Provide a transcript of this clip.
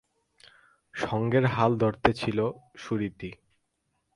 সংঘের হাল ধরে ছিল সুরীতি।